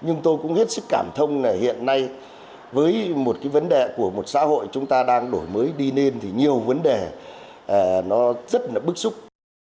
nhưng tôi cũng hết sức cảm thông là hiện nay với một cái vấn đề của một xã hội chúng ta đang đổi mới đi lên thì nhiều vấn đề nó rất là bức xúc